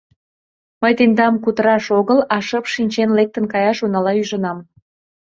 — Мый тендам кутыраш огыл, а шып шинчен лектын каяш унала ӱжынам.